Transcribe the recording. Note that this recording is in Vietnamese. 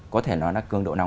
có thể nói là cường độ nóng